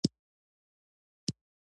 آیا موږ په خپل کلتور نه ویاړو؟